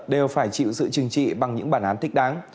đều phải chịu sự chừng trị bằng những bản án thích đáng